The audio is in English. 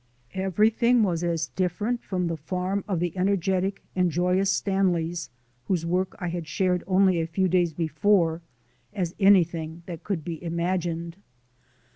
Everything was as different from the farm of the energetic and joyous Stanleys, whose work I had shared only a few days before, as anything that could be imagined.